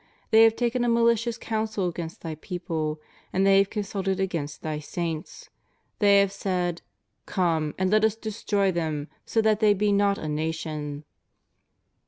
They have taken a malicious counsel against Thy people, and they have consulted against Thy saints. They have said, 'Come, and let us destroy them, so that they be not a nation."'